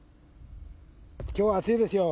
きょうは暑いですよ。